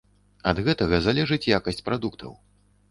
Ад гэтага залежыць якасць прадуктаў.